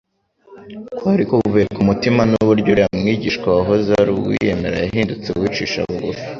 kwari kuvuye ku mutima n'uburyo uriya mwigishwa wahoze ari uwiyemera yahindutse uwicisha bugufi.